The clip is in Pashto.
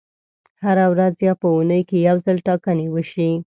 هره ورځ یا په اونۍ کې یو ځل ټاکنې وشي.